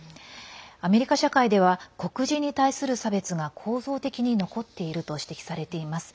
アメリカ社会では黒人に対する差別が構造的に残っていると指摘されています。